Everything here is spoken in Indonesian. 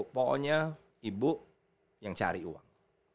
pokoknya ibu yang cari uang